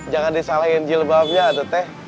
jangan disalahin jilbabnya atau teh